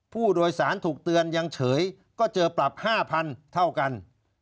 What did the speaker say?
ผู้โดยสารถูกเตือนยังเฉยก็เจอปรับ๕๐๐เท่ากัน